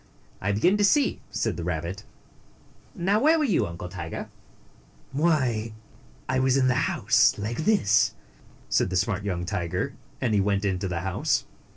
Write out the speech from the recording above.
I begin to see," said the rabbit. "Now, where were you, Uncle Tiger?" "Why, I was inside the house, like this," said the smart young tiger, and he went into the house.